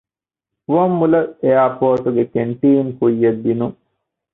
ފުވައްމުލައް އެއަރޕޯޓުގެ ކެންޓީން ކުއްޔަށްދިނުން